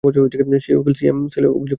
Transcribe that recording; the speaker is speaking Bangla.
সেই উকিল সিএম সেলে অভিযোগ করেছে।